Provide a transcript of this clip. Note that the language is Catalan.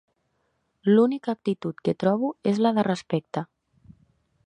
L'única actitud que trobo és la de respecte.